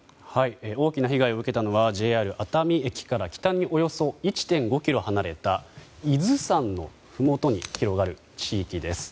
大きな被害を受けたのはＪＲ熱海駅から北におよそ１．５ｋｍ離れた伊豆山のふもとに広がる地域です。